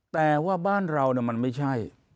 แต่ว่าบ้านเรามันไม่ใช่